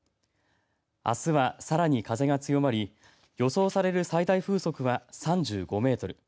あすはさらに風が強まり予想される最大風速は３５メートル